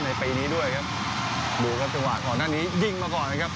ปีนี้ด้วยครับดูครับจังหวะก่อนหน้านี้ยิงมาก่อนนะครับ